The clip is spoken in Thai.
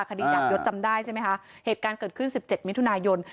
คดีดับยศจำได้ใช่ไหมคะเหตุการณ์เกิดขึ้น๑๗มิถุนายน